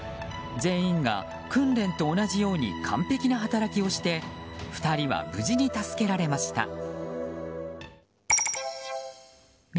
全員が訓練と同じように完璧な働きをして２人は無事に助けられました。